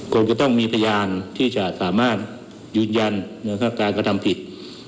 คงจะต้องมีพยานที่จะสามารถยืนยันการกระทำผิด